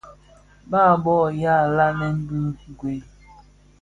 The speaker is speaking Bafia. Bàb bôg yàa lanën bi ngüel.